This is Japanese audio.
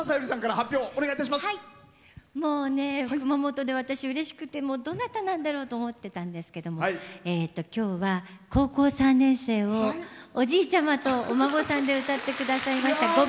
もうね熊本で私うれしくてどなたなんだろうと思ってたんですけども今日は「高校三年生」をおじいちゃまとお孫さんで歌って下さいました